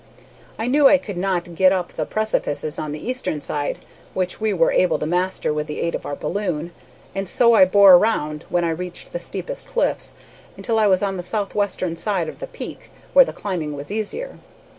I knew I could not get up the precipices on the eastern side, which we were able to master with the aid of our balloon, and so I bore round, when I reached the steepest cliffs, until I was on the southwestern side of the peak, where the climbing was easier.